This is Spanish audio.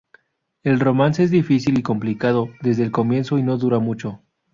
El romance es difícil y complicado desde el comienzo y no dura mucho.